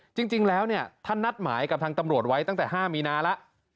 จริงแล้วท่านนัดหมายกับทางตำรวจไว้ตั้งแต่๕มีนาแล้ว